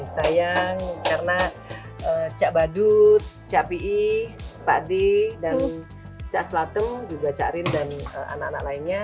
sayang karena cak badut cak pii pak d dan cak selateng juga cak rin dan anak anak lainnya